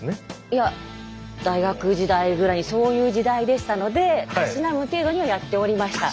いや大学時代ぐらいにそういう時代でしたのでたしなむ程度にはやっておりました。